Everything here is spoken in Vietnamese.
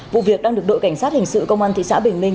vụ việc đang được đội cảnh sát hình sự công an thị xã bình minh